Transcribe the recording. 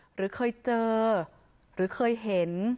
หรือเคยเจอหรือเคยเห็น